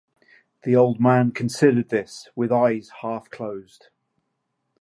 The old man considered this with eyes half closed.